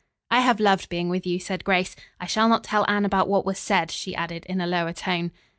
"I have loved being with you," said Grace. "I shall not tell Anne about what was said," she added in a lower tone.